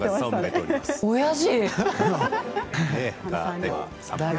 おやじ！